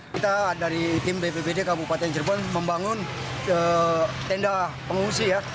kita dari tim bppd kabupaten cirebon membangun tenda pengungsi ya